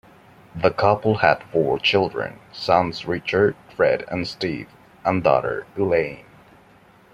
The couple had four children: sons Richard, Fred, and Steve, and daughter, Elaine.